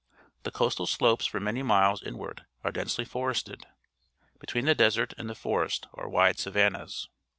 The coastal slopes for many miles inward are densely forested. Between the desert and the forest are wide savannas.